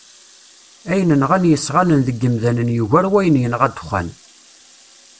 Ayen nɣan yisɣanen deg yimdanen yugar wayen yenɣa ddexxan.